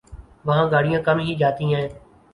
وہاں گاڑیاں کم ہی جاتی ہیں ۔